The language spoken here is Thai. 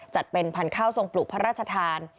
จัดเป็นพันธุ์ข้าวทรงปลูกพระราชทาน